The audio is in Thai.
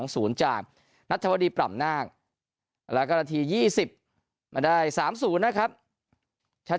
ศูนย์จากนัทวดีปล่ำนาคแล้วก็นาที๒๐มาได้๓๐นะครับชั้น